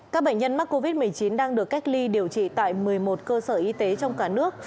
các bệnh nhân mắc covid một mươi chín đang được cách ly điều trị tại một mươi một cơ sở y tế trong cả nước